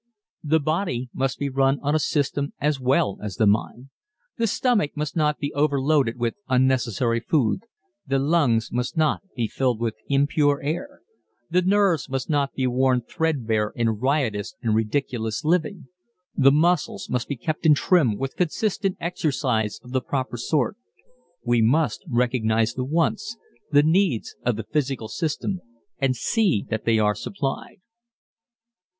The body must be run on a system as well as the mind. The stomach must not be overloaded with unnecessary food. The lungs must not be filled with impure air. The nerves must not be worn threadbare in riotous and ridiculous living. The muscles must be kept in trim with consistent exercise of the proper sort. We must recognize the wants, the needs of the physical system and see that they are supplied.